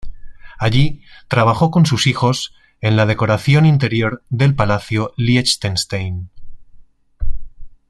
Allí trabajó con sus hijos en la decoración interior del Palacio Liechtenstein.